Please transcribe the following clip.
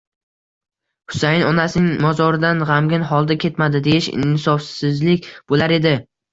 Husayin onasining mozoridan g'amgin holda ketmadi deyish insofsizlik bo'lar edi.